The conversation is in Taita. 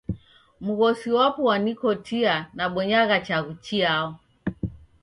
Mghosi wapo wanikotia nabonyagha chaghu chiao.